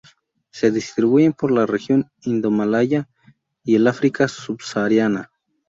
Se distribuyen por la región indomalaya y el África subsahariana.